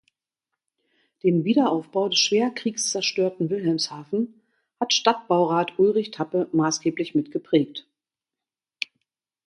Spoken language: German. Den Wiederaufbau des schwer kriegszerstörten Wilhelmshaven hat Stadtbaurat Ulrich Tappe maßgeblich mitgeprägt.